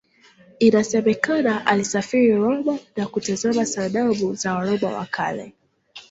Inasemekana alisafiri Roma na kutazama sanamu za Waroma wa Kale.